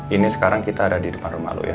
ini sekarang kita ada di depan rumah ya